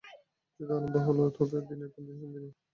যদি আরম্ভ হল তবে দিনের পর দিন শান্তি নেই।